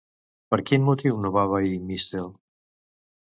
Per quin motiu no va obeir, Míscel?